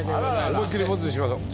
思いっ切りボツにしましょ。